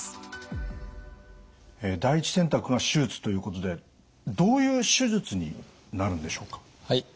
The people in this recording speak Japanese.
第１選択が手術ということでどういう手術になるんでしょうか？